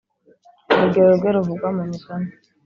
urugero rwe ruvugwa mu migani